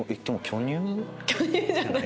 巨乳じゃない。